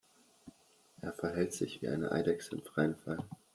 Er verhält sich wie eine Eidechse im freien Fall.